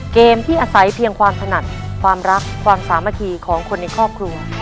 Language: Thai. เกมที่อาศัยเพียงความถนัดความรักความสามัคคีของคนในครอบครัว